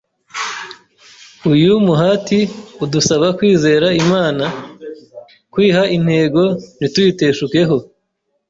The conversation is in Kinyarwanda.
Uyu muhati udusaba kwizera Imana, kwiha intego ntituyiteshukeho,